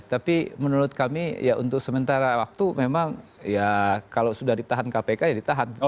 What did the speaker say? tapi menurut kami ya untuk sementara waktu memang ya kalau sudah ditahan kpk ya ditahan